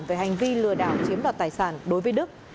về hành vi lừa đảo chiếm đoạt tài sản đối với đức